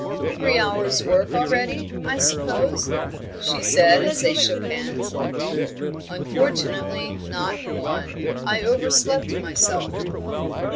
"Three hours' work already, I suppose," she said, as they shook hands. "Unfortunately, not one. I overslept myself."